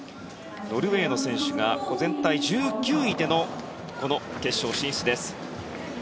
ノルウェーの選手が全体１９位でのこの決勝進出です。